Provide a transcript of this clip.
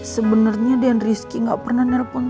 sebenarnya den rizky gak pernah nerpon